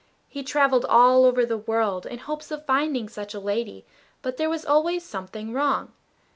He travelled all over the world in hopes of finding such a lady; but there was always something wrong.